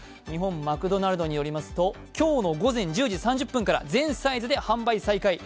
日本マクドナルドによりますと今日の午前１０時３０分から全サイズで販売再開。